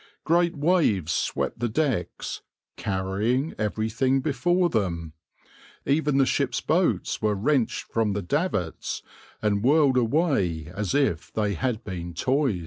Great waves swept the decks, carrying everything before them; even the ship's boats were wrenched from the davits and whirled away as if they had been toys.